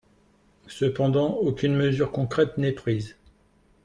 Cependant, aucune mesure concrète n’est prise.